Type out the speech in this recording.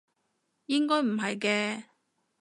應該唔係嘅